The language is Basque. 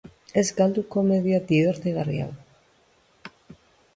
Ez galdu komedia dibertigarri hau!